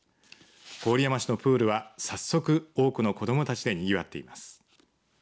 郡山市のプールは早速、多くの子どもたちでにぎわっています。